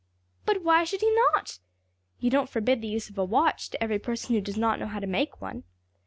But why should he not? You don't forbid the use of a watch to every person who does not know how to make one?